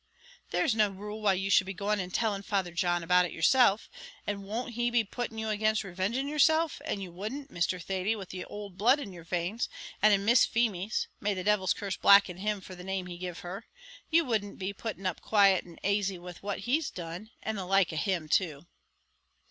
"That's no rule why you should be going and telling Father John about it yourself. And won't he be putting you against revenging yourself; and you wouldn't, Mr. Thady, with the owld blood in your veins, and in Miss Feemy's may the divil's curse blacken him for the name he give her! you wouldn't be putting up quiet and aisy with what he's done? and the like of him too!"